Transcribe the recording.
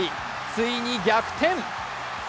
ついに逆転。